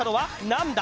何だ？